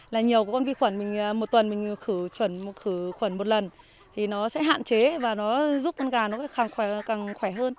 là nhiều con vi khuẩn một tuần mình khử khuẩn một lần thì nó sẽ hạn chế và nó giúp con gà nó càng khỏe hơn